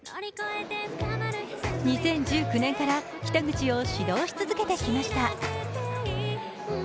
２０１９年から北口を指導し続けてきました。